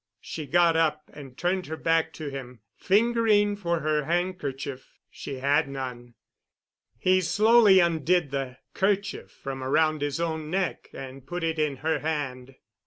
She got up and turned her back to him, fingering for her handkerchief. She had none. He slowly undid the kerchief from around his own neck and put it in her hand.